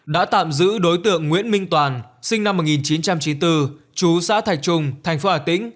đã tạm giữ đối tượng nguyễn minh toàn sinh năm một nghìn chín trăm chín mươi bốn chú xã thạch trung thành phố hà tĩnh